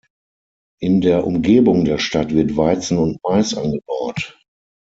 In der Umgebung der Stadt wird Weizen und Mais angebaut.